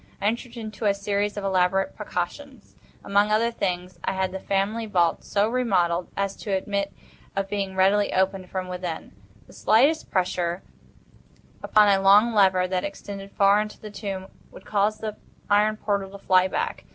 I entered into a series of elaborate precautions. Among other things, I had the family vault so remodelled as to admit of being readily opened from within. The slightest pressure upon a long lever that extended far into the tomb would cause the iron portal to fly back.